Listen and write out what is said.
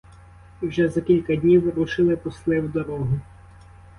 І вже за кілька днів рушили посли в дорогу.